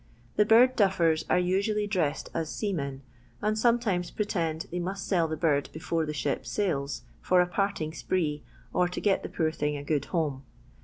The bird duffers are uiimlly dressed as seamen, and sometimes pretend they must sell the bird before the ship sails, for a parting spree, or to get the poor thing a good home.